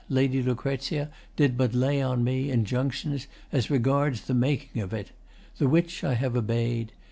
Lady Lucrezia did but lay on me Injunctions as regards the making of 't, The which I have obey'd.